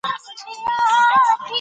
تاسي باید د خپلو سترګو خیال وساتئ.